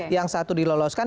yang satu diloloskan